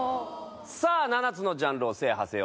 さぁ７つのジャンルを制覇せよ。